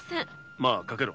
まあかけろ。